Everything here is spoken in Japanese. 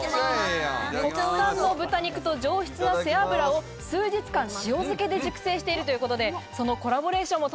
国産の豚肉と上質な背脂を数日間、塩漬けで熟成しているということです。